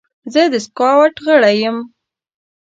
زه د سکاوټ غړی یم.